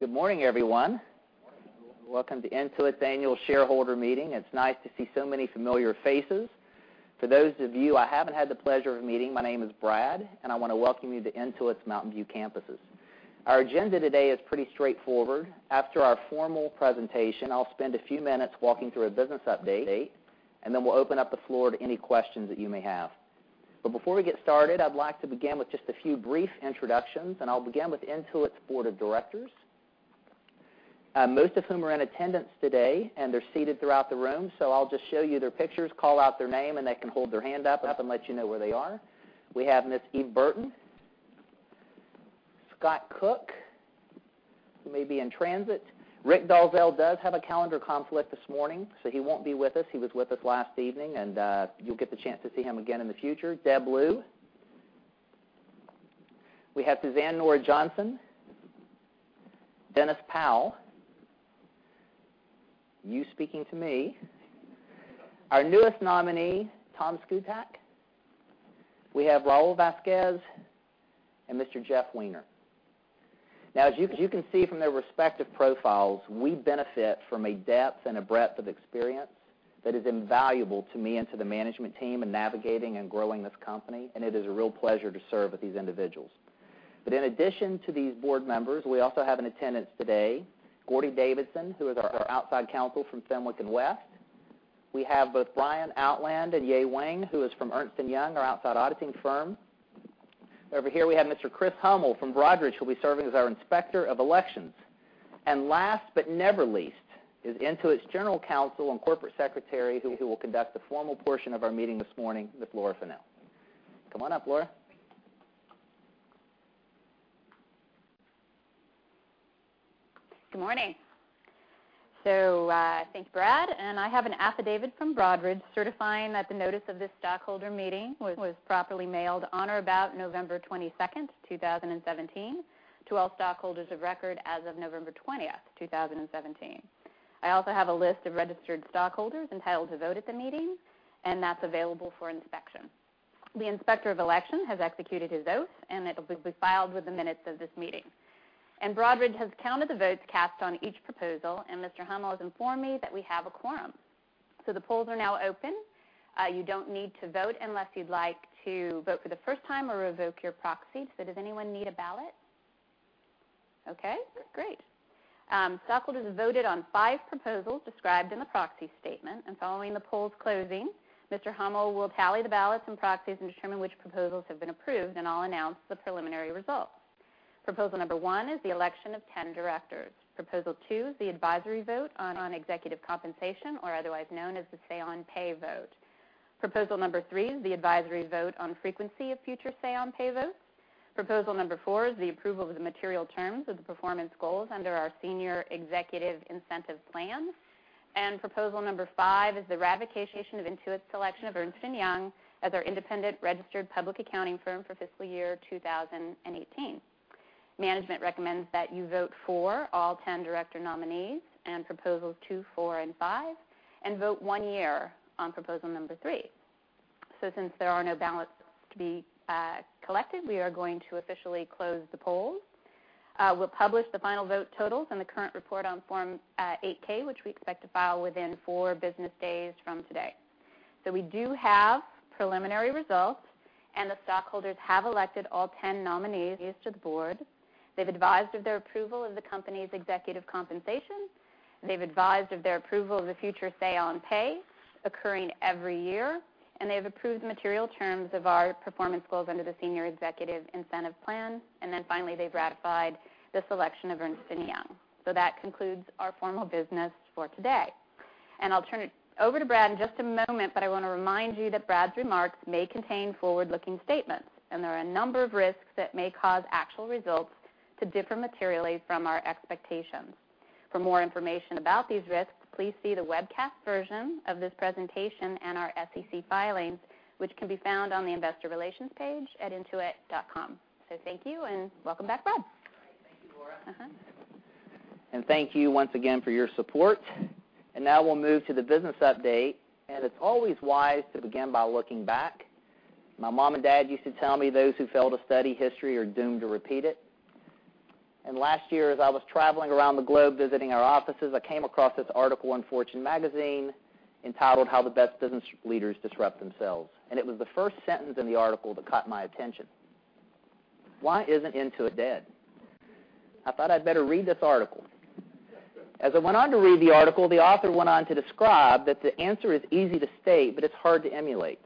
Good morning, everyone. Welcome to Intuit's annual shareholder meeting. It's nice to see so many familiar faces. For those of you I haven't had the pleasure of meeting, my name is Brad, I want to welcome you to Intuit's Mountain View campuses. Our agenda today is pretty straightforward. After our formal presentation, I'll spend a few minutes walking through a business update. Then we'll open up the floor to any questions that you may have. Before we get started, I'd like to begin with just a few brief introductions. I'll begin with Intuit's board of directors, most of whom are in attendance today. They're seated throughout the room. I'll just show you their pictures, call out their name, and they can hold their hand up and let you know where they are. We have Miss Eve Burton, Scott Cook, who may be in transit. Rick Dalzell does have a calendar conflict this morning. He won't be with us. He was with us last evening, and you'll get the chance to see him again in the future. Deb Liu. We have Suzanne Nora Johnson, Dennis Powell. You speaking to me. Our newest nominee, Tom Szkutak. We have Raul Vazquez and Mr. Jeff Weiner. As you can see from their respective profiles, we benefit from a depth and a breadth of experience that is invaluable to me and to the management team in navigating and growing this company. It is a real pleasure to serve with these individuals. In addition to these board members, we also have in attendance today Gordie Davidson, who is our outside counsel from Fenwick & West. We have both Brian Outland and Ye Wang, who is from Ernst & Young, our outside auditing firm. Over here we have Mr. Chris Hummel from Broadridge, who'll be serving as our Inspector of Elections. Last but never least is Intuit's General Counsel and Corporate Secretary, who will conduct the formal portion of our meeting this morning, with Laura Fennell. Come on up, Laura. Good morning. Thank you, Brad. I have an affidavit from Broadridge certifying that the notice of this stockholder meeting was properly mailed on or about November 22nd, 2017, to all stockholders of record as of November 20th, 2017. I also have a list of registered stockholders entitled to vote at the meeting. That's available for inspection. The Inspector of Election has executed his oath. It will be filed with the minutes of this meeting. Broadridge has counted the votes cast on each proposal. Mr. Hummel has informed me that we have a quorum. The polls are now open. You don't need to vote unless you'd like to vote for the first time or revoke your proxy. Does anyone need a ballot? Okay, great. Stockholders have voted on five proposals described in the proxy statement. Following the polls closing, Mr. Hummel will tally the ballots and proxies and determine which proposals have been approved. I'll announce the preliminary results. Proposal number one is the election of 10 directors. Proposal two is the advisory vote on executive compensation, or otherwise known as the say-on-pay vote. Proposal number three is the advisory vote on frequency of future say-on-pay votes. Proposal number four is the approval of the material terms of the performance goals under our Senior Executive Incentive Plan. Proposal number five is the ratification of Intuit's selection of Ernst & Young as our independent registered public accounting firm for fiscal year 2018. Management recommends that you vote for all 10 director nominees and proposals two, four, and five, and vote one year on proposal number three. Since there are no ballots to be collected, we are going to officially close the polls. We'll publish the final vote totals in the current report on Form 8-K, which we expect to file within four business days from today. We do have preliminary results. The stockholders have elected all 10 nominees to the board. They've advised of their approval of the company's executive compensation. They've advised of their approval of the future say-on-pay occurring every year. They have approved material terms of our performance goals under the Senior Executive Incentive Plan. Finally, they've ratified the selection of Ernst & Young. That concludes our formal business for today. I'll turn it over to Brad in just a moment. I want to remind you that Brad's remarks may contain forward-looking statements. There are a number of risks that may cause actual results to differ materially from our expectations. For more information about these risks, please see the webcast version of this presentation and our SEC filings, which can be found on the investor relations page at intuit.com. Thank you, and welcome back, Brad. Thank you, Laura. Thank you once again for your support. Now we'll move to the business update, it's always wise to begin by looking back. My mom and dad used to tell me those who fail to study history are doomed to repeat it. Last year, as I was traveling around the globe visiting our offices, I came across this article in Fortune magazine entitled "How the Best Business Leaders Disrupt Themselves." It was the first sentence in the article that caught my attention. Why isn't Intuit dead? I thought I'd better read this article. As I went on to read the article, the author went on to describe that the answer is easy to state, but it's hard to emulate.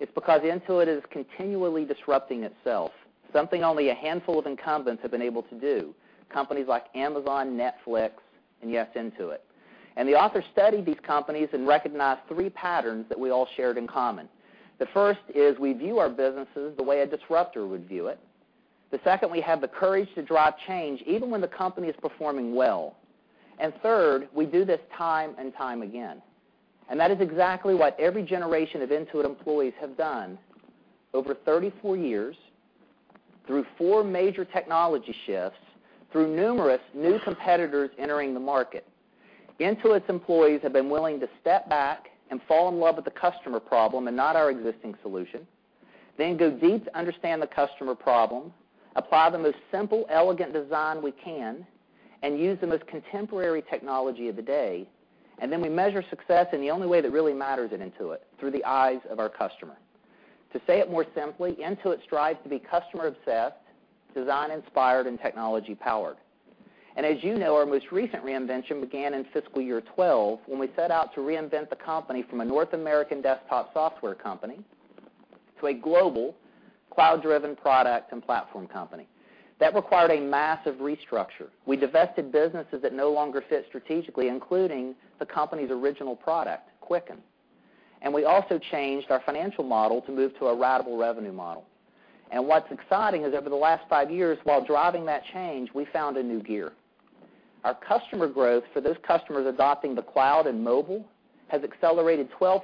It's because Intuit is continually disrupting itself. Something only a handful of incumbents have been able to do, companies like Amazon, Netflix, and yes, Intuit. The author studied these companies and recognized three patterns that we all shared in common. The first is we view our businesses the way a disruptor would view it. The second, we have the courage to drive change even when the company is performing well. Third, we do this time and time again. That is exactly what every generation of Intuit employees have done over 34 years, through four major technology shifts, through numerous new competitors entering the market. Intuit's employees have been willing to step back and fall in love with the customer problem and not our existing solution. Go deep to understand the customer problem, apply the most simple, elegant design we can, use the most contemporary technology of the day, we measure success in the only way that really matters at Intuit, through the eyes of our customer. To say it more simply, Intuit strives to be customer-obsessed, design-inspired, and technology-powered. As you know, our most recent reinvention began in fiscal year 2012, when we set out to reinvent the company from a North American desktop software company to a global cloud-driven product and platform company. That required a massive restructure. We divested businesses that no longer fit strategically, including the company's original product, Quicken. We also changed our financial model to move to a ratable revenue model. What's exciting is over the last five years, while driving that change, we found a new gear. Our customer growth for those customers adopting the cloud and mobile has accelerated 12%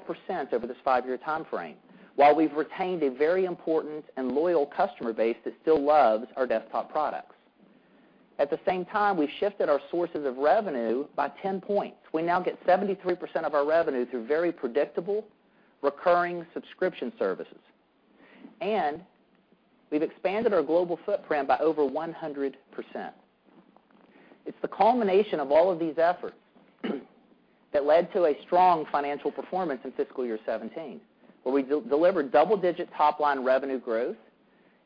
over this five-year timeframe, while we've retained a very important and loyal customer base that still loves our desktop products. At the same time, we shifted our sources of revenue by 10 points. We now get 73% of our revenue through very predictable, recurring subscription services. We've expanded our global footprint by over 100%. It's the culmination of all of these efforts that led to a strong financial performance in fiscal year 2017, where we delivered double-digit top-line revenue growth,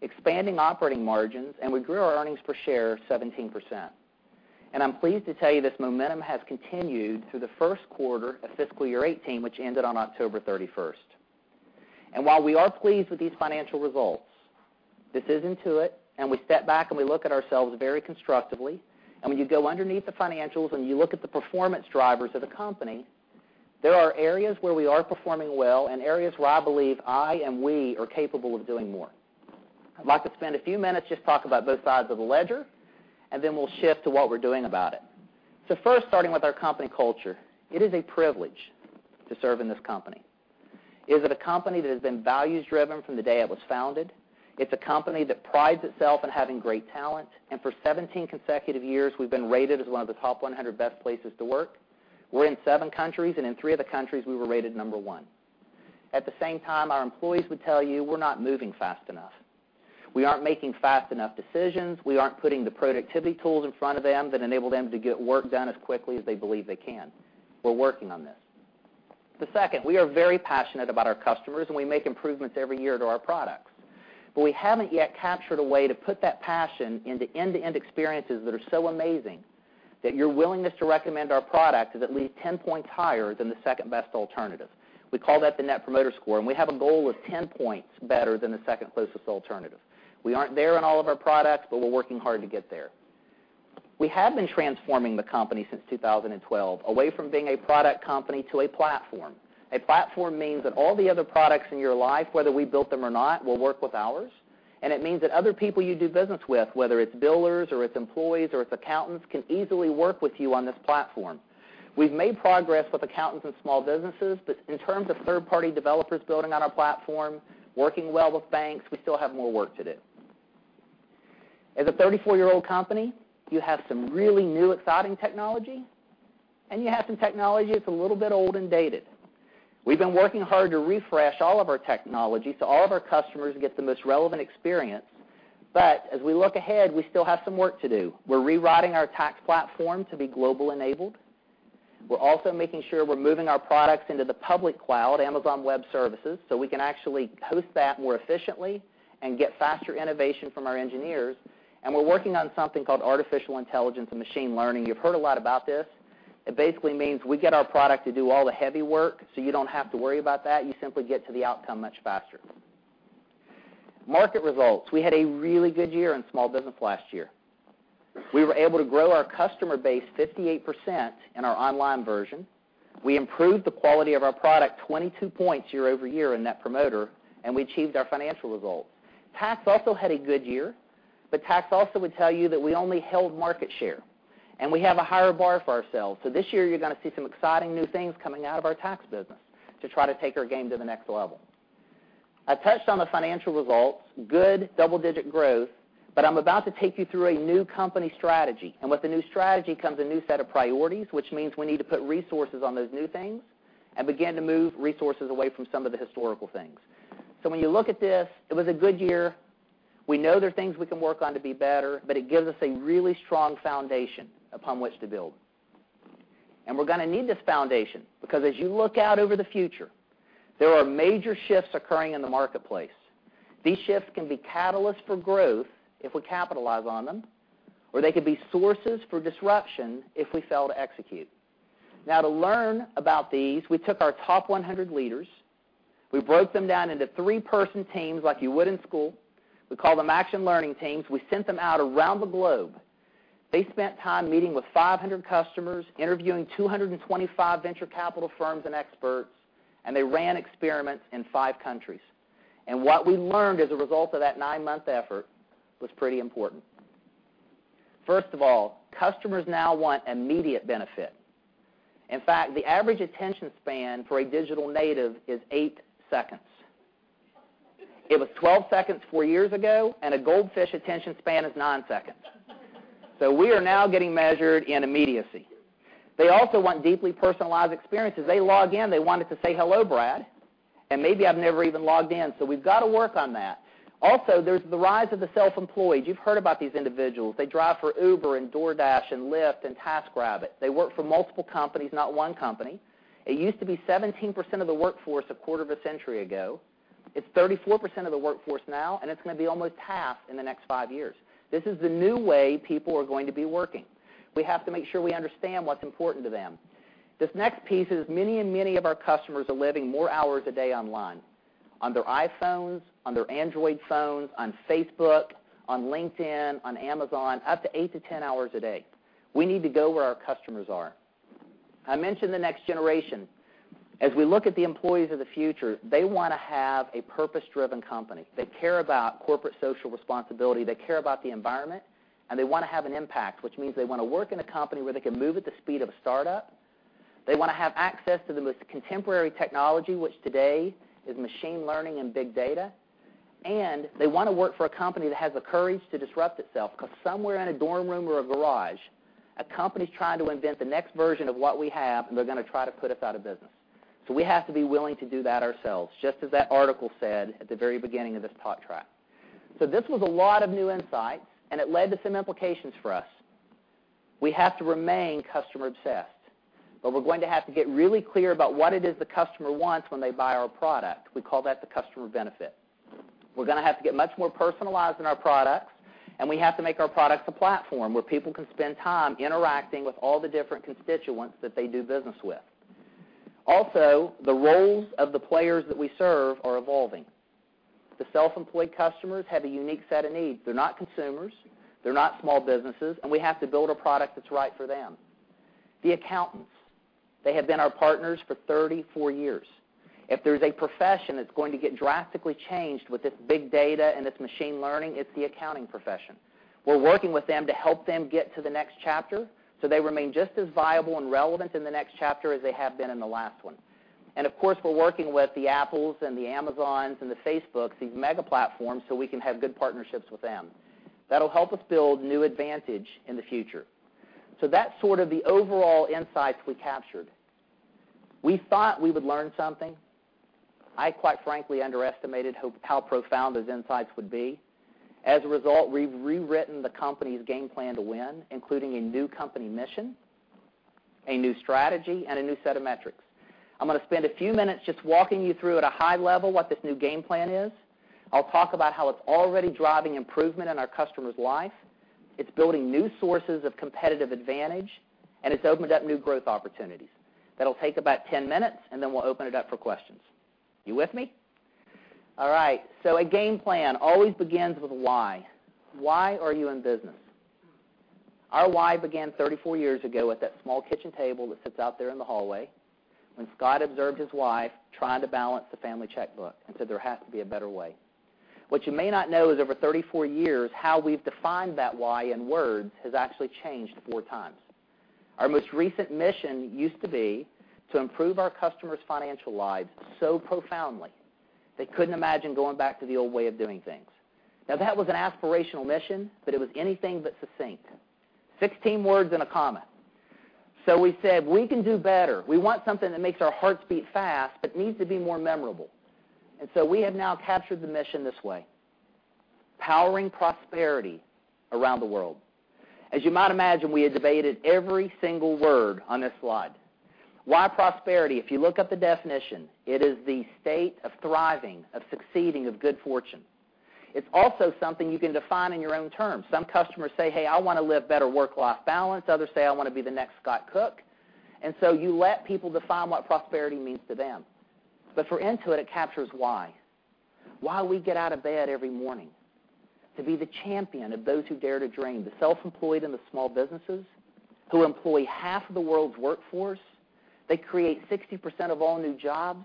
expanding operating margins, we grew our earnings per share 17%. I'm pleased to tell you this momentum has continued through the first quarter of fiscal year 2018, which ended on October 31st. While we are pleased with these financial results, this is Intuit, we step back and we look at ourselves very constructively. When you go underneath the financials and you look at the performance drivers of the company, there are areas where we are performing well and areas where I believe I and we are capable of doing more. I'd like to spend a few minutes just talking about both sides of the ledger. Then we'll shift to what we're doing about it. First, starting with our company culture, it is a privilege to serve in this company. It is a company that has been values-driven from the day it was founded. It's a company that prides itself on having great talent. For 17 consecutive years, we've been rated as one of the top 100 best places to work. We're in seven countries, and in three of the countries, we were rated number 1. At the same time, our employees would tell you we're not moving fast enough. We aren't making fast enough decisions. We aren't putting the productivity tools in front of them that enable them to get work done as quickly as they believe they can. We're working on this. Second, we are very passionate about our customers. We make improvements every year to our products. We haven't yet captured a way to put that passion into end-to-end experiences that are so amazing that your willingness to recommend our product is at least 10 points higher than the second-best alternative. We call that the Net Promoter Score, and we have a goal of 10 points better than the second closest alternative. We aren't there on all of our products, but we're working hard to get there. We have been transforming the company since 2012 away from being a product company to a platform. A platform means that all the other products in your life, whether we built them or not, will work with ours. It means that other people you do business with, whether it's billers or it's employees or it's accountants, can easily work with you on this platform. We've made progress with accountants and small businesses. In terms of third-party developers building on our platform, working well with banks, we still have more work to do. As a 34-year-old company, you have some really new, exciting technology. You have some technology that's a little bit old and dated. We've been working hard to refresh all of our technology so all of our customers get the most relevant experience. As we look ahead, we still have some work to do. We're rewriting our tax platform to be global-enabled. We're also making sure we're moving our products into the public cloud, Amazon Web Services, so we can actually host that more efficiently and get faster innovation from our engineers. We're working on something called artificial intelligence and machine learning. You've heard a lot about this. It basically means we get our product to do all the heavy work, so you don't have to worry about that. You simply get to the outcome much faster. Market results. We had a really good year in small business last year. We were able to grow our customer base 58% in our online version. We improved the quality of our product 22 points year-over-year in Net Promoter. We achieved our financial result. Tax also had a good year. Tax also would tell you that we only held market share. We have a higher bar for ourselves. This year, you're going to see some exciting new things coming out of our tax business to try to take our game to the next level. I touched on the financial results, good double-digit growth, but I'm about to take you through a new company strategy, and with the new strategy comes a new set of priorities, which means we need to put resources on those new things and begin to move resources away from some of the historical things. When you look at this, it was a good year. We know there are things we can work on to be better, but it gives us a really strong foundation upon which to build. We're going to need this foundation because as you look out over the future, there are major shifts occurring in the marketplace. These shifts can be catalysts for growth if we capitalize on them, or they could be sources for disruption if we fail to execute. To learn about these, we took our top 100 leaders. We broke them down into three-person teams like you would in school. We call them action learning teams. We sent them out around the globe. They spent time meeting with 500 customers, interviewing 225 venture capital firms and experts, and they ran experiments in five countries. What we learned as a result of that nine-month effort was pretty important. First of all, customers now want immediate benefit. In fact, the average attention span for a digital native is eight seconds. It was 12 seconds four years ago, and a goldfish attention span is nine seconds. We are now getting measured in immediacy. They also want deeply personalized experiences. They log in, they want it to say, "Hello, Brad." Maybe I've never even logged in, so we've got to work on that. There's the rise of the self-employed. You've heard about these individuals. They drive for Uber and DoorDash and Lyft and TaskRabbit. They work for multiple companies, not one company. It used to be 17% of the workforce a quarter of a century ago. It's 34% of the workforce now, and it's going to be almost half in the next five years. This is the new way people are going to be working. We have to make sure we understand what's important to them. This next piece is many and many of our customers are living more hours a day online, on their iPhones, on their Android phones, on Facebook, on LinkedIn, on Amazon, up to eight to 10 hours a day. We need to go where our customers are. I mentioned the next generation. As we look at the employees of the future, they want to have a purpose-driven company. They care about corporate social responsibility, they care about the environment, and they want to have an impact, which means they want to work in a company where they can move at the speed of a startup. They want to have access to the most contemporary technology, which today is machine learning and big data. They want to work for a company that has the courage to disrupt itself, because somewhere in a dorm room or a garage, a company's trying to invent the next version of what we have, and they're going to try to put us out of business. We have to be willing to do that ourselves, just as that article said at the very beginning of this talk track. This was a lot of new insight, and it led to some implications for us. We have to remain customer obsessed. We're going to have to get really clear about what it is the customer wants when they buy our product. We call that the customer benefit. We're going to have to get much more personalized in our products. We have to make our products a platform where people can spend time interacting with all the different constituents that they do business with. The roles of the players that we serve are evolving. The self-employed customers have a unique set of needs. They're not consumers, they're not small businesses, and we have to build a product that's right for them. The accountants, they have been our partners for 34 years. If there's a profession that's going to get drastically changed with this big data and this machine learning, it's the accounting profession. We're working with them to help them get to the next chapter so they remain just as viable and relevant in the next chapter as they have been in the last one. We're working with the Apples and the Amazons and the Facebooks, these mega platforms, so we can have good partnerships with them. That'll help us build new advantage in the future. That's sort of the overall insights we captured. We thought we would learn something. I quite frankly underestimated how profound those insights would be. As a result, we've rewritten the company's game plan to win, including a new company mission, a new strategy, and a new set of metrics. I'm going to spend a few minutes just walking you through at a high level what this new game plan is. I'll talk about how it's already driving improvement in our customer's life. It's building new sources of competitive advantage. It's opened up new growth opportunities. That'll take about 10 minutes. Then we'll open it up for questions. You with me? All right. A game plan always begins with why. Why are you in business? Our why began 34 years ago at that small kitchen table that sits out there in the hallway, when Scott observed his wife trying to balance the family checkbook and said, "There has to be a better way." What you may not know is over 34 years, how we've defined that why in words has actually changed four times. Our most recent mission used to be to improve our customers' financial lives so profoundly they couldn't imagine going back to the old way of doing things. Now, that was an aspirational mission, but it was anything but succinct. 16 words and a comma. We said, "We can do better. We want something that makes our hearts beat fast, but needs to be more memorable." We have now captured the mission this way: powering prosperity around the world. As you might imagine, we have debated every single word on this slide. Why prosperity? If you look up the definition, it is the state of thriving, of succeeding, of good fortune. It's also something you can define in your own terms. Some customers say, "Hey, I want to live better work-life balance." Others say, "I want to be the next Scott Cook." You let people define what prosperity means to them. For Intuit, it captures why. Why we get out of bed every morning. To be the champion of those who dare to dream, the self-employed and the small businesses who employ half of the world's workforce. They create 60% of all new jobs.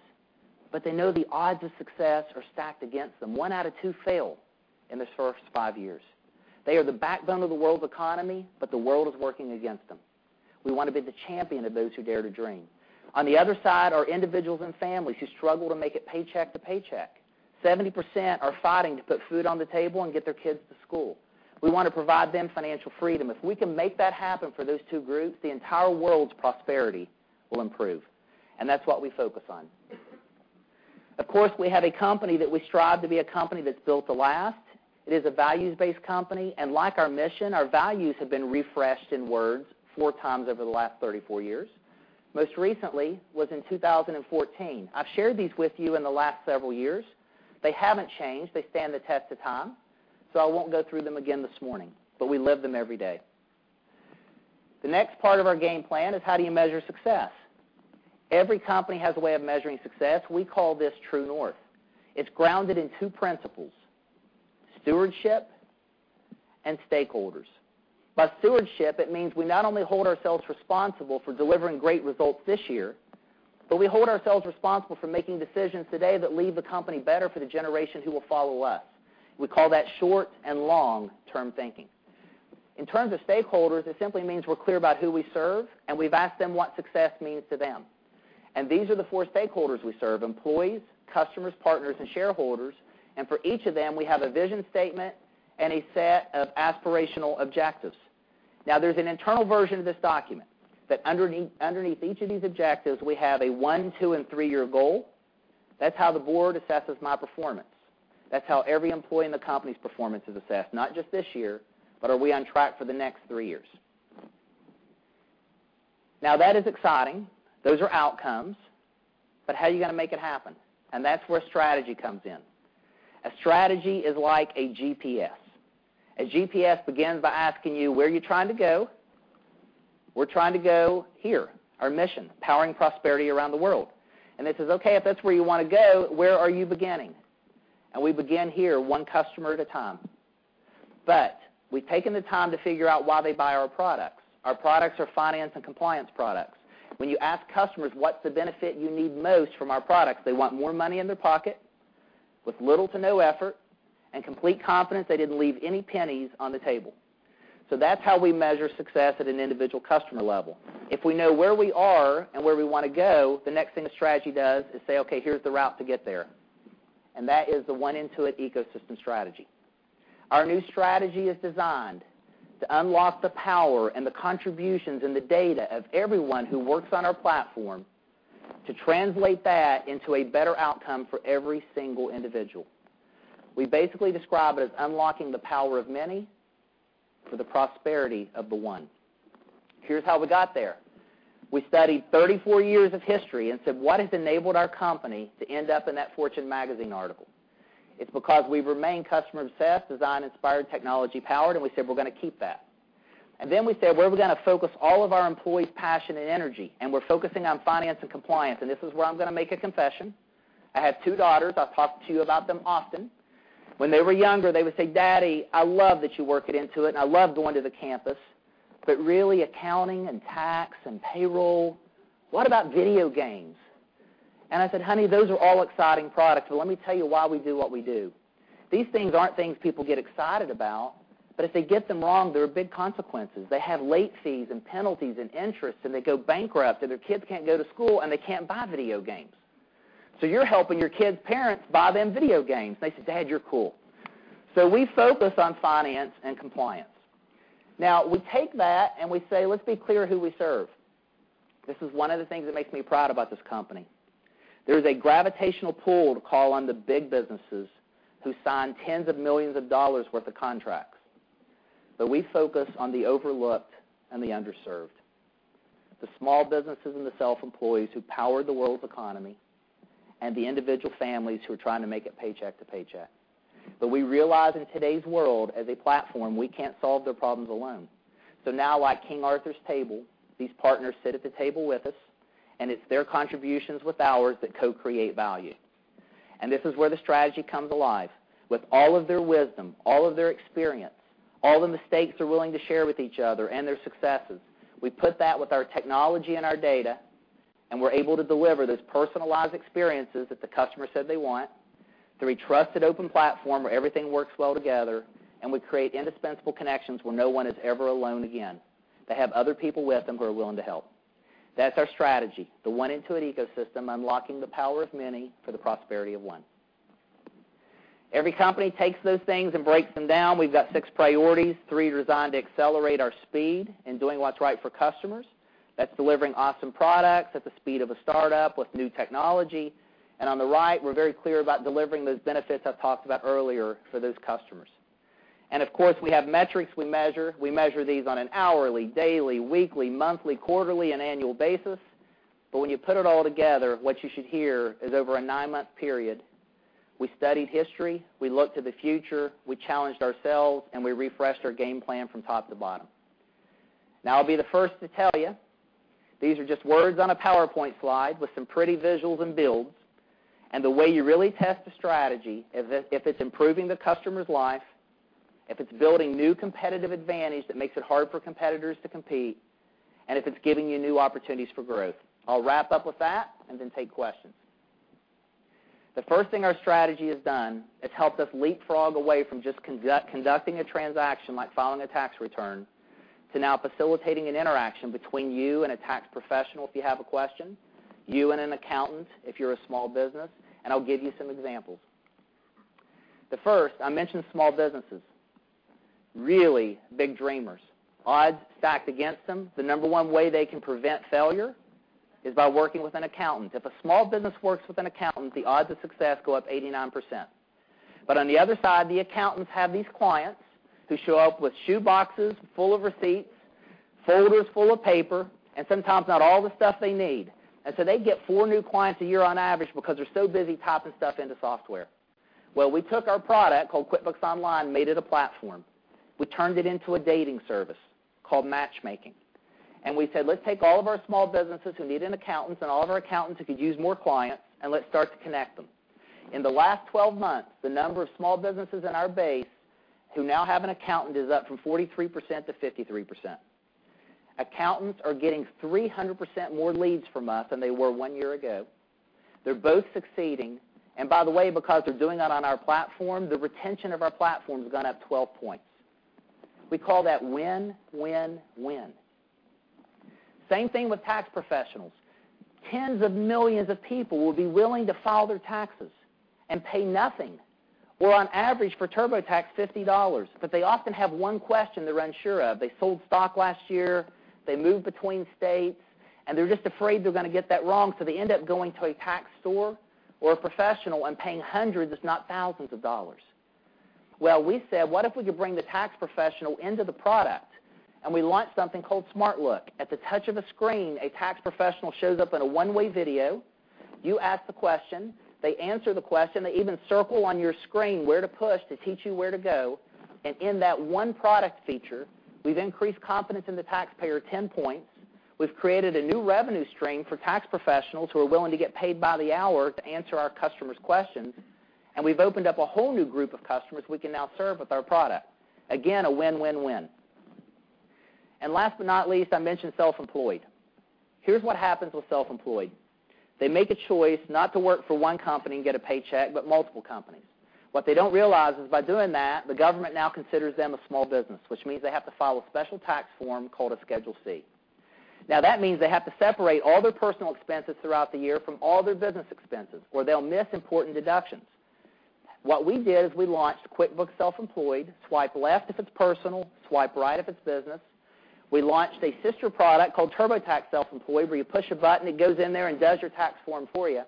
They know the odds of success are stacked against them. One out of two fail in the first five years. They are the backbone of the world's economy. The world is working against them. We want to be the champion of those who dare to dream. On the other side are individuals and families who struggle to make it paycheck to paycheck. 70% are fighting to put food on the table and get their kids to school. We want to provide them financial freedom. If we can make that happen for those two groups, the entire world's prosperity will improve. That's what we focus on. Of course, we have a company that we strive to be a company that's built to last. It is a values-based company. Like our mission, our values have been refreshed in words four times over the last 34 years. Most recently was in 2014. I've shared these with you in the last several years. They haven't changed. They stand the test of time. I won't go through them again this morning. We live them every day. The next part of our game plan is how do you measure success? Every company has a way of measuring success. We call this True North. It's grounded in two principles: stewardship and stakeholders. By stewardship, it means we not only hold ourselves responsible for delivering great results this year. We hold ourselves responsible for making decisions today that leave the company better for the generation who will follow us. We call that short and long-term thinking. In terms of stakeholders, it simply means we're clear about who we serve. We've asked them what success means to them. These are the four stakeholders we serve, employees, customers, partners, and shareholders. For each of them, we have a vision statement and a set of aspirational objectives. There's an internal version of this document, that underneath each of these objectives, we have a one-, two-, and three-year goal. That's how the board assesses my performance. That's how every employee in the company's performance is assessed, not just this year, but are we on track for the next three years? That is exciting. Those are outcomes. How are you going to make it happen? That's where strategy comes in. A strategy is like a GPS. A GPS begins by asking you, where are you trying to go? We're trying to go here, our mission, powering prosperity around the world. It says, okay, if that's where you want to go, where are you beginning? We begin here, one customer at a time. We've taken the time to figure out why they buy our products. Our products are finance and compliance products. When you ask customers what's the benefit you need most from our products, they want more money in their pocket, with little to no effort, and complete confidence they didn't leave any pennies on the table. That's how we measure success at an individual customer level. If we know where we are and where we want to go, the next thing a strategy does is say, okay, here's the route to get there. That is the one Intuit ecosystem strategy. Our new strategy is designed to unlock the power and the contributions and the data of everyone who works on our platform to translate that into a better outcome for every single individual. We basically describe it as unlocking the power of many for the prosperity of the one. Here's how we got there. We studied 34 years of history and said, what has enabled our company to end up in that Fortune magazine article? It's because we remain customer obsessed, design inspired, technology powered, we said we're going to keep that. We said, where are we going to focus all of our employees' passion and energy? We're focusing on finance and compliance. This is where I'm going to make a confession. I have two daughters. I've talked to you about them often. When they were younger, they would say, "Daddy, I love that you work at Intuit, and I love going to the campus. Really, accounting and tax and payroll? What about video games?" I said, "Honey, those are all exciting products, but let me tell you why we do what we do. These things aren't things people get excited about, but if they get them wrong, there are big consequences. They have late fees and penalties and interest, and they go bankrupt, and their kids can't go to school, and they can't buy video games. You're helping your kids' parents buy them video games." They said, "Dad, you're cool." We focus on finance and compliance. We take that and we say, let's be clear who we serve. This is one of the things that makes me proud about this company. There's a gravitational pull to call on the big businesses who sign tens of millions of dollars worth of contracts. We focus on the overlooked and the underserved, the small businesses and the self-employees who power the world's economy, and the individual families who are trying to make it paycheck to paycheck. We realize in today's world, as a platform, we can't solve their problems alone. Like King Arthur's table, these partners sit at the table with us, and it's their contributions with ours that co-create value. This is where the strategy comes alive. With all of their wisdom, all of their experience, all the mistakes they're willing to share with each other, and their successes, we put that with our technology and our data, we're able to deliver those personalized experiences that the customer said they want through a trusted open platform where everything works well together, we create indispensable connections where no one is ever alone again. They have other people with them who are willing to help. That's our strategy, the one Intuit ecosystem, unlocking the power of many for the prosperity of one. Every company takes those things and breaks them down. We've got six priorities, three designed to accelerate our speed in doing what's right for customers. That's delivering awesome products at the speed of a startup with new technology. On the right, we're very clear about delivering those benefits I talked about earlier for those customers. Of course, we have metrics we measure. We measure these on an hourly, daily, weekly, monthly, quarterly, and annual basis. When you put it all together, what you should hear is over a nine-month period, we studied history, we looked to the future, we challenged ourselves, and we refreshed our game plan from top to bottom. I'll be the first to tell you, these are just words on a PowerPoint slide with some pretty visuals and builds, and the way you really test a strategy is if it's improving the customer's life, if it's building new competitive advantage that makes it hard for competitors to compete, and if it's giving you new opportunities for growth. I'll wrap up with that and then take questions. The first thing our strategy has done, it's helped us leapfrog away from just conducting a transaction, like filing a tax return, to now facilitating an interaction between you and a tax professional if you have a question, you and an accountant if you're a small business, I'll give you some examples. The first, I mentioned small businesses. Really big dreamers. Odds stacked against them. The number one way they can prevent failure is by working with an accountant. If a small business works with an accountant, the odds of success go up 89%. On the other side, the accountants have these clients who show up with shoeboxes full of receipts, folders full of paper, and sometimes not all the stuff they need. They get four new clients a year on average because they're so busy typing stuff into software. We took our product called QuickBooks Online, made it a platform. We turned it into a dating service called Matchmaking. We said, let's take all of our small businesses who need an accountant and all of our accountants who could use more clients, let's start to connect them. In the last 12 months, the number of small businesses in our base who now have an accountant is up from 43% to 53%. Accountants are getting 300% more leads from us than they were one year ago. They're both succeeding. By the way, because they're doing that on our platform, the retention of our platform has gone up 12 points. We call that win-win-win. Same thing with tax professionals. Tens of millions of people will be willing to file their taxes and pay nothing, or on average for TurboTax, $50. They often have one question they're unsure of. They sold stock last year, they moved between states, they're just afraid they're going to get that wrong, so they end up going to a tax store or a professional and paying hundreds, if not thousands of dollars. We said, what if we could bring the tax professional into the product? We launched something called SmartLook. At the touch of a screen, a tax professional shows up in a one-way video. You ask the question, they answer the question. They even circle on your screen where to push to teach you where to go. In that one product feature, we've increased confidence in the taxpayer 10 points. We've created a new revenue stream for tax professionals who are willing to get paid by the hour to answer our customers' questions, and we've opened up a whole new group of customers we can now serve with our product. Again, a win-win-win. Last but not least, I mentioned self-employed. Here's what happens with self-employed. They make a choice not to work for one company and get a paycheck, but multiple companies. What they don't realize is by doing that, the government now considers them a small business, which means they have to file a special tax form called a Schedule C. That means they have to separate all their personal expenses throughout the year from all their business expenses, or they'll miss important deductions. What we did is we launched QuickBooks Self-Employed. Swipe left if it's personal, swipe right if it's business. We launched a sister product called TurboTax Self-Employed, where you push a button, it goes in there and does your tax form for you.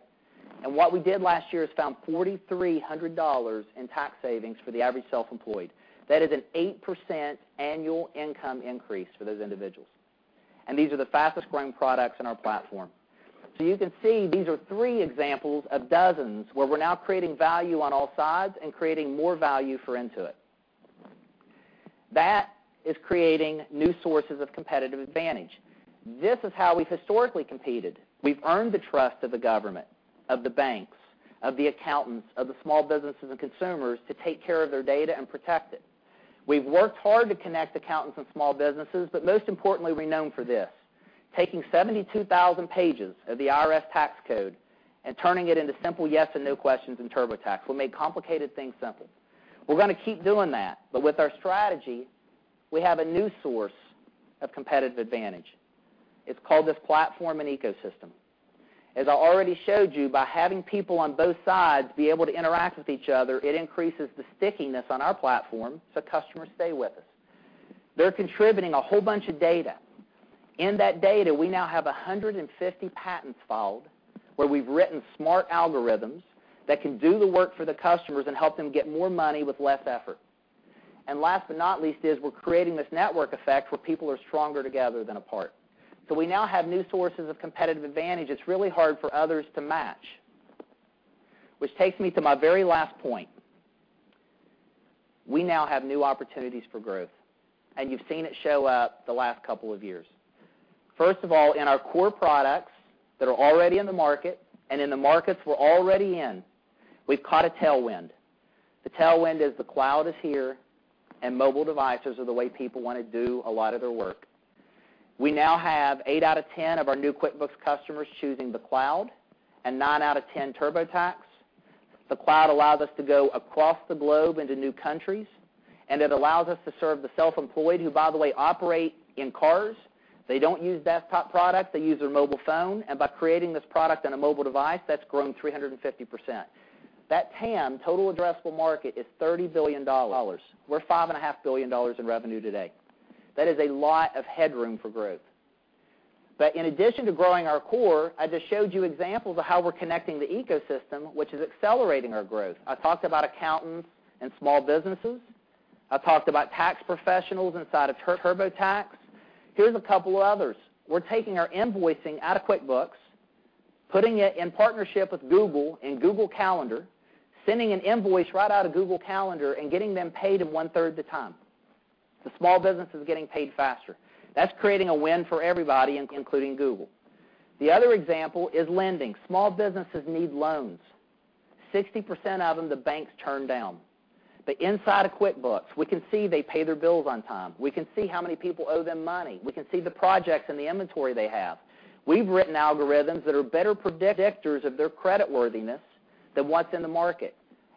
What we did last year is found $4,300 in tax savings for the average self-employed. That is an 8% annual income increase for those individuals, and these are the fastest-growing products in our platform. You can see, these are three examples of dozens where we're now creating value on all sides and creating more value for Intuit. That is creating new sources of competitive advantage. This is how we've historically competed. We've earned the trust of the government, of the banks, of the accountants, of the small businesses and consumers to take care of their data and protect it. We've worked hard to connect accountants and small businesses, but most importantly, we're known for this, taking 72,000 pages of the IRS tax code and turning it into simple yes and no questions in TurboTax. We make complicated things simple. With our strategy, we have a new source of competitive advantage. It's called this platform and ecosystem. As I already showed you, by having people on both sides be able to interact with each other, it increases the stickiness on our platform, so customers stay with us. They're contributing a whole bunch of data. In that data, we now have 150 patents filed where we've written smart algorithms that can do the work for the customers and help them get more money with less effort. Last but not least is we're creating this network effect where people are stronger together than apart. We now have new sources of competitive advantage. It's really hard for others to match. Which takes me to my very last point. We now have new opportunities for growth, and you've seen it show up the last couple of years. First of all, in our core products that are already in the market and in the markets we're already in, we've caught a tailwind. The tailwind is the cloud is here, and mobile devices are the way people want to do a lot of their work. We now have eight out of 10 of our new QuickBooks customers choosing the cloud and nine out of 10 TurboTax. The cloud allows us to go across the globe into new countries, and it allows us to serve the self-employed, who by the way, operate in cars. They don't use desktop products. They use their mobile phone. By creating this product on a mobile device, that's grown 350%. That TAM, total addressable market, is $30 billion. We're $5.5 billion in revenue today. That is a lot of headroom for growth. In addition to growing our core, I just showed you examples of how we're connecting the ecosystem, which is accelerating our growth. I talked about accountants and small businesses. I talked about tax professionals inside of TurboTax. Here's a couple of others. We're taking our invoicing out of QuickBooks, putting it in partnership with Google and Google Calendar, sending an invoice right out of Google Calendar and getting them paid in one-third the time. The small business is getting paid faster. That's creating a win for everybody, including Google. The other example is lending. Small businesses need loans. 60% of them, the banks turn down. Inside of QuickBooks, we can see they pay their bills on time. We can see how many people owe them money. We can see the projects and the inventory they have. We've written algorithms that are better predictors of their creditworthiness than what's in the market,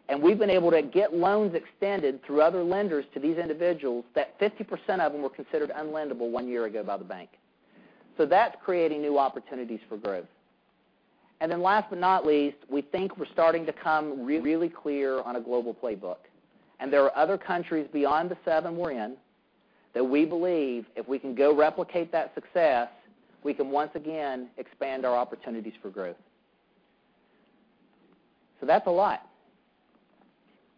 and we've been able to get loans extended through other lenders to these individuals that 50% of them were considered unlendable one year ago by the bank. That's creating new opportunities for growth. Then last but not least, we think we're starting to come really clear on a global playbook. There are other countries beyond the seven we're in that we believe if we can go replicate that success, we can once again expand our opportunities for growth. That's a lot.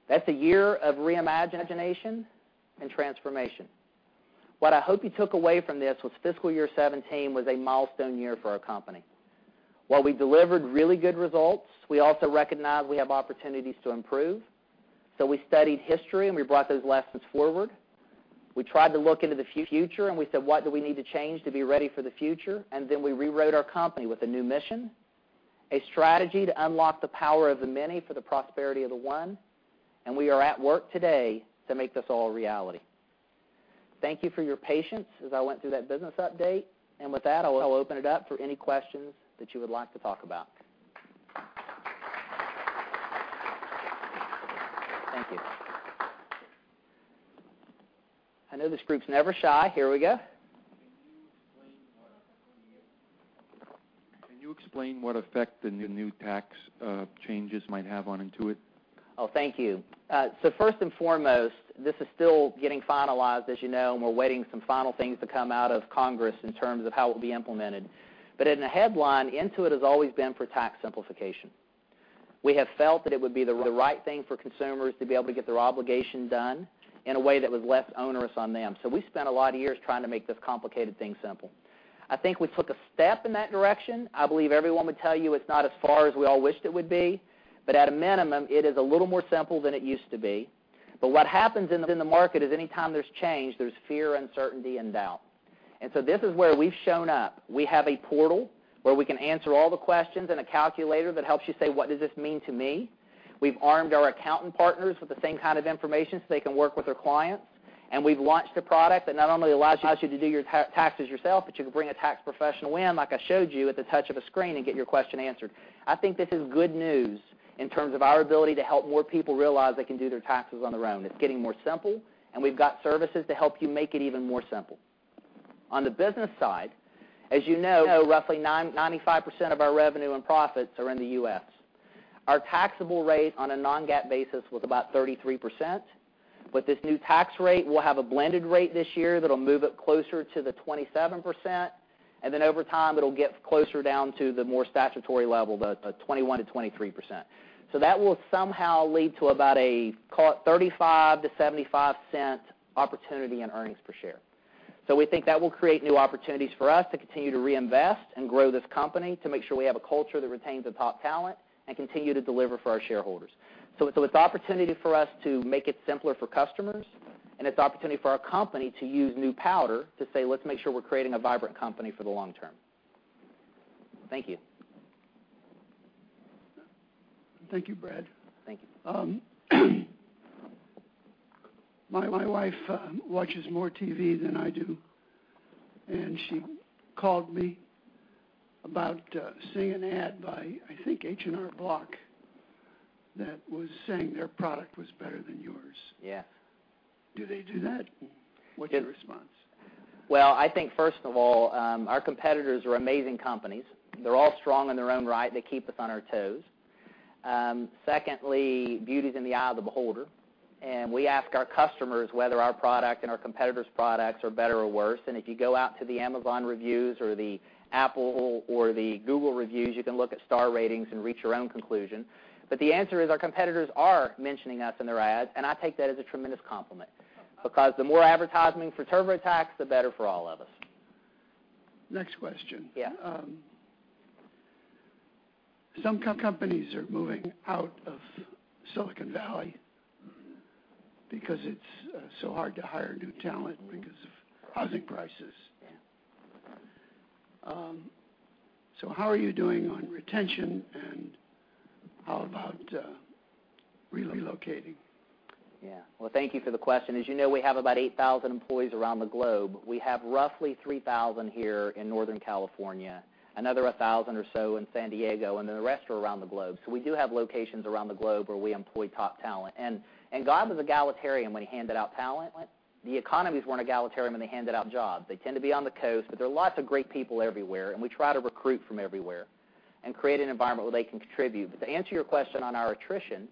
That's a year of reimagination and transformation. What I hope you took away from this was fiscal year 2017 was a milestone year for our company. While we delivered really good results, we also recognize we have opportunities to improve. We studied history, and we brought those lessons forward. We tried to look into the future, and we said, "What do we need to change to be ready for the future?" Then we rewrote our company with a new mission, a strategy to unlock the power of the many for the prosperity of the one, and we are at work today to make this all a reality. Thank you for your patience as I went through that business update. With that, I'll open it up for any questions that you would like to talk about. Thank you. I know this group's never shy. Here we go. Can you explain what effect the new tax changes might have on Intuit? Oh, thank you. First and foremost, this is still getting finalized, as you know, we're awaiting some final things to come out of Congress in terms of how it will be implemented. In a headline, Intuit has always been for tax simplification. We have felt that it would be the right thing for consumers to be able to get their obligation done in a way that was less onerous on them. We spent a lot of years trying to make this complicated thing simple. I think we took a step in that direction. I believe everyone would tell you it's not as far as we all wished it would be, but at a minimum, it is a little more simple than it used to be. What happens in the market is any time there's change, there's fear, uncertainty, and doubt. This is where we've shown up. We have a portal where we can answer all the questions and a calculator that helps you say, what does this mean to me? We've armed our accountant partners with the same kind of information so they can work with their clients. We've launched a product that not only allows you to do your taxes yourself, but you can bring a tax professional in, like I showed you, at the touch of a screen, and get your question answered. I think this is good news in terms of our ability to help more people realize they can do their taxes on their own. It's getting more simple, and we've got services to help you make it even more simple. On the business side, as you know, roughly 95% of our revenue and profits are in the U.S. Our taxable rate on a non-GAAP basis was about 33%, but this new tax rate, we'll have a blended rate this year that'll move it closer to the 27%, then over time, it'll get closer down to the more statutory level, the 21%-23%. That will somehow lead to about a, call it $0.35-$0.75 opportunity in earnings per share. We think that will create new opportunities for us to continue to reinvest and grow this company, to make sure we have a culture that retains the top talent and continue to deliver for our shareholders. It's an opportunity for us to make it simpler for customers, and it's an opportunity for our company to use new powder to say, let's make sure we're creating a vibrant company for the long term. Thank you. Thank you, Brad. Thank you. My wife watches more TV than I do, and she called me about seeing an ad by, I think, H&R Block, that was saying their product was better than yours. Yeah. Do they do that? What's your response? Well, I think first of all, our competitors are amazing companies. They're all strong in their own right. They keep us on our toes. Secondly, beauty's in the eye of the beholder, and we ask our customers whether our product and our competitors' products are better or worse, and if you go out to the Amazon reviews or the Apple or the Google reviews, you can look at star ratings and reach your own conclusion. The answer is, our competitors are mentioning us in their ads, and I take that as a tremendous compliment because the more advertising for TurboTax, the better for all of us. Next question. Yeah. Some companies are moving out of Silicon Valley because it is so hard to hire new talent because of housing prices. Yeah. How are you doing on retention, and how about relocating? Yeah. Well, thank you for the question. As you know, we have about 8,000 employees around the globe. We have roughly 3,000 here in Northern California, another 1,000 or so in San Diego, and then the rest are around the globe. We do have locations around the globe where we employ top talent. God was a egalitarian when he handed out talent. The economies weren't egalitarian when they handed out jobs. They tend to be on the coast, but there are lots of great people everywhere, and we try to recruit from everywhere and create an environment where they can contribute. To answer your question on our attrition,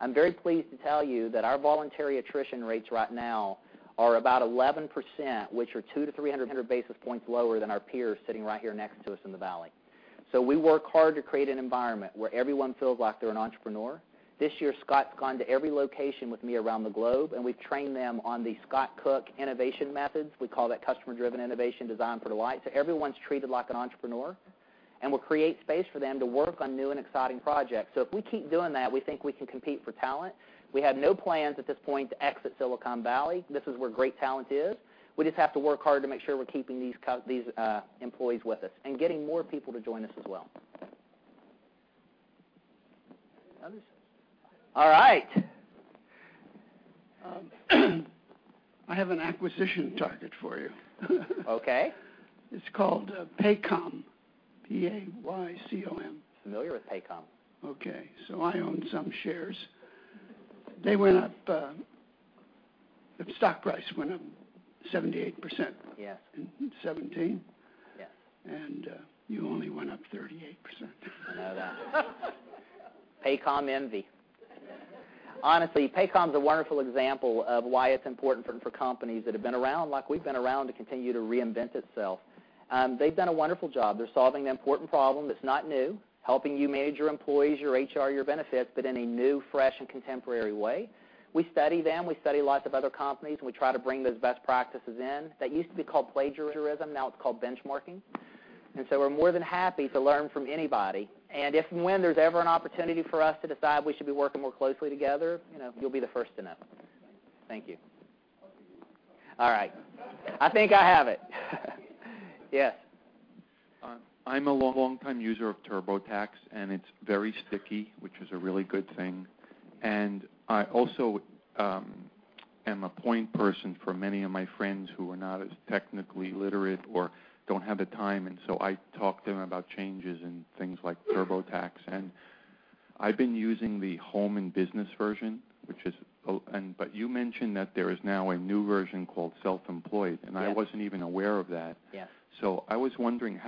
I am very pleased to tell you that our voluntary attrition rates right now are about 11%, which are two to 300 basis points lower than our peers sitting right here next to us in the valley. We work hard to create an environment where everyone feels like they're an entrepreneur. This year, Scott's gone to every location with me around the globe, and we've trained them on the Scott Cook innovation methods. We call that Customer-Driven Innovation and Design for Delight. Everyone's treated like an entrepreneur, and we'll create space for them to work on new and exciting projects. If we keep doing that, we think we can compete for talent. We have no plans at this point to exit Silicon Valley. This is where great talent is. We just have to work hard to make sure we're keeping these employees with us and getting more people to join us as well. Others? All right. I have an acquisition target for you. Okay. It's called Paycom, P-A-Y-C-O-M. Familiar with Paycom. Okay. I own some shares. The stock price went up 78%. Yeah in 2017. Yeah. You only went up 38%. I know that. Paycom envy. Honestly, Paycom's a wonderful example of why it's important for companies that have been around, like we've been around, to continue to reinvent itself. They've done a wonderful job. They're solving an important problem that's not new, helping you manage your employees, your HR, your benefits, but in a new, fresh, and contemporary way. We study them, we study lots of other companies, and we try to bring those best practices in. That used to be called plagiarism. Now it's called benchmarking. We're more than happy to learn from anybody. If and when there's ever an opportunity for us to decide we should be working more closely together, you'll be the first to know. Thank you. All right. I think I have it. Yes. I'm a longtime user of TurboTax, and it's very sticky, which is a really good thing. I also, I'm a point person for many of my friends who are not as technically literate or don't have the time, so I talk to them about changes in things like TurboTax. I've been using the Home & Business version, but you mentioned that there is now a new version called Self-Employed, and I wasn't even aware of that. Yes. I was wondering,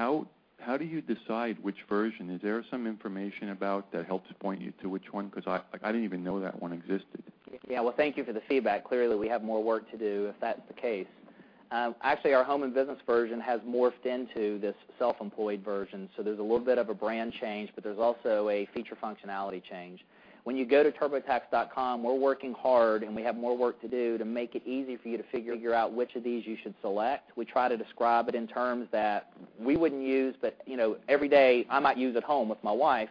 how do you decide which version? Is there some information about that helps point you to which one, because I didn't even know that one existed. Yeah. Well, thank you for the feedback. Clearly, we have more work to do if that's the case. Actually, our Home & Business version has morphed into this Self-Employed version, so there's a little bit of a brand change, but there's also a feature functionality change. When you go to turbotax.com, we're working hard, we have more work to do to make it easy for you to figure out which of these you should select. We try to describe it in terms that we wouldn't use, but every day I might use at home with my wife,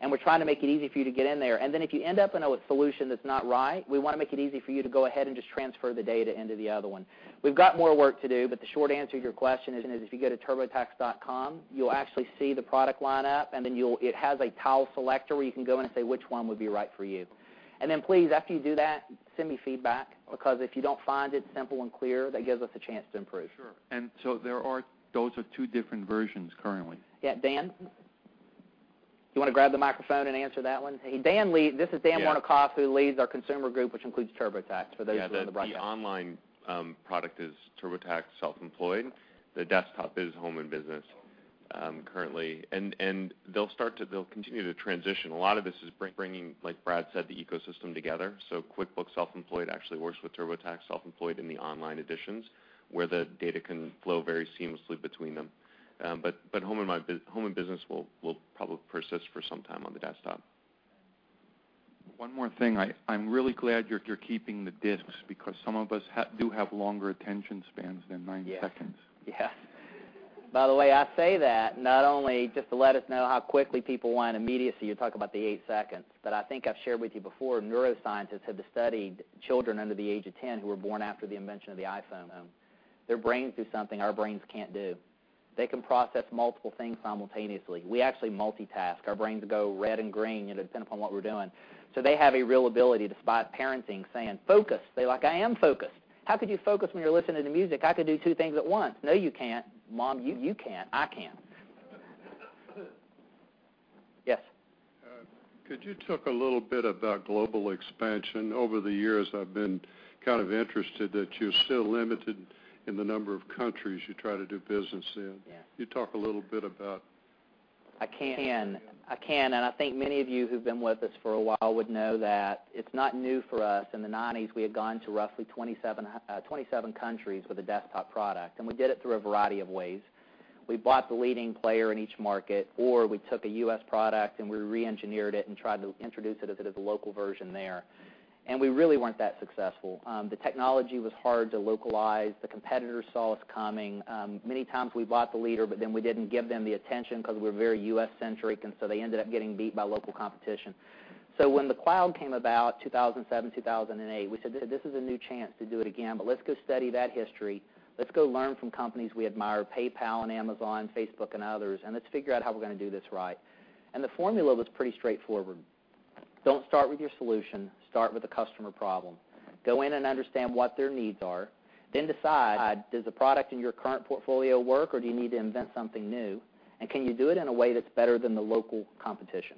and we're trying to make it easy for you to get in there. Then if you end up in a solution that's not right, we want to make it easy for you to go ahead and just transfer the data into the other one. We've got more work to do, the short answer to your question is, if you go to turbotax.com, you'll actually see the product line-up, then it has a tile selector where you can go in and say which one would be right for you. Then please, after you do that, send me feedback, because if you don't find it simple and clear, that gives us a chance to improve. Sure. Those are two different versions currently? Yeah. Dan, you want to grab the microphone and answer that one? This is Dan Wernikoff who leads our Consumer Group, which includes TurboTax, for those who are on the broadcast. Yeah. The online product is TurboTax Self-Employed. The desktop is Home & Business currently. They'll continue to transition. A lot of this is bringing, like Brad said, the ecosystem together. QuickBooks Self-Employed actually works with TurboTax Self-Employed in the online editions, where the data can flow very seamlessly between them. Home & Business will probably persist for some time on the desktop. One more thing. I'm really glad you're keeping the discs because some of us do have longer attention spans than nine seconds. Yeah. By the way, I say that not only just to let us know how quickly people want immediacy. You talk about the eight seconds. I think I've shared with you before, neuroscientists have studied children under the age of 10 who were born after the invention of the iPhone. Their brains do something our brains can't do. They can process multiple things simultaneously. We actually multitask. Our brains go red and green, depending upon what we're doing. They have a real ability, despite parenting saying, "Focus." They're like, "I am focused. How could you focus when you're listening to music? I could do two things at once." "No, you can't." "Mom, you can't. I can." Yes? Could you talk a little bit about global expansion? Over the years, I've been kind of interested that you're still limited in the number of countries you try to do business in. Yeah. Could you talk a little bit about that? I can. I can. I think many of you who've been with us for a while would know that it's not new for us. In the '90s, we had gone to roughly 27 countries with a desktop product. We did it through a variety of ways. We bought the leading player in each market, or we took a U.S. product and we re-engineered it and tried to introduce it as a local version there. We really weren't that successful. The technology was hard to localize. The competitors saw us coming. Many times we bought the leader, but then we didn't give them the attention because we're very U.S.-centric, and so they ended up getting beat by local competition. When the cloud came about, 2007, 2008, we said, "This is a new chance to do it again, but let's go study that history. Let's go learn from companies we admire, PayPal and Amazon, Facebook and others, let's figure out how we're going to do this right." The formula was pretty straightforward. Don't start with your solution, start with the customer problem. Go in and understand what their needs are, then decide, does the product in your current portfolio work, or do you need to invent something new? Can you do it in a way that's better than the local competition?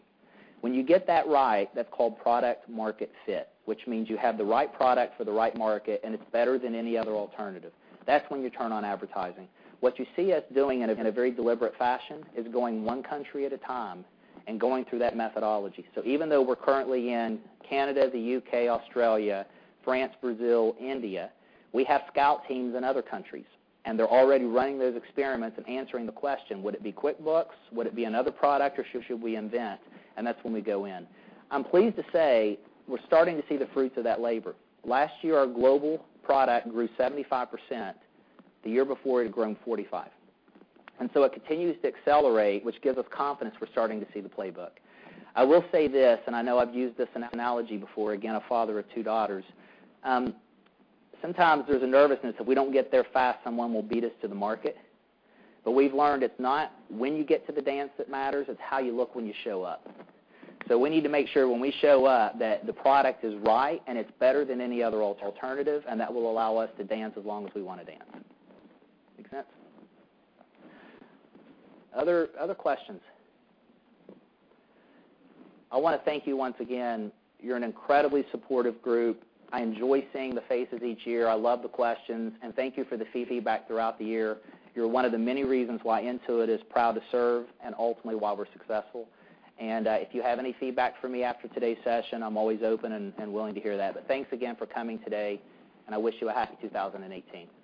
When you get that right, that's called product-market fit, which means you have the right product for the right market, and it's better than any other alternative. That's when you turn on advertising. What you see us doing in a very deliberate fashion is going one country at a time and going through that methodology. Even though we're currently in Canada, the U.K., Australia, France, Brazil, India, we have scout teams in other countries, they're already running those experiments and answering the question, would it be QuickBooks, would it be another product, or should we invent? That's when we go in. I'm pleased to say we're starting to see the fruits of that labor. Last year, our global product grew 75%. The year before, it had grown 45%. It continues to accelerate, which gives us confidence we're starting to see the playbook. I will say this, I know I've used this analogy before, again, a father of two daughters. Sometimes there's a nervousness if we don't get there fast, someone will beat us to the market. We've learned it's not when you get to the dance that matters, it's how you look when you show up. We need to make sure when we show up that the product is right and it's better than any other alternative, that will allow us to dance as long as we want to dance. Make sense? Other questions? I want to thank you once again. You're an incredibly supportive group. I enjoy seeing the faces each year. I love the questions, thank you for the feedback throughout the year. You're one of the many reasons why Intuit is proud to serve, ultimately, why we're successful. If you have any feedback for me after today's session, I'm always open and willing to hear that. Thanks again for coming today, I wish you a happy 2018.